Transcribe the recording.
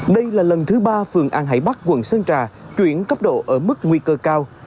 đây là lần thứ ba phường an hải bắc quận sơn trà chuyển cấp độ ở mức nguy cơ cao